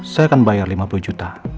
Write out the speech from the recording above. saya akan bayar lima puluh juta